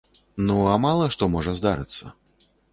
Ну, а мала што можа здарыцца.